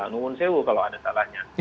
ngumun sewuh kalau ada salahnya